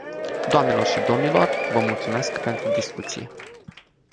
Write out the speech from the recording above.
Doamnelor și domnilor, vă mulțumesc pentru discuție.